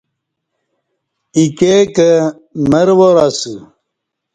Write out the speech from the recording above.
ایکے کہ مرواراسہ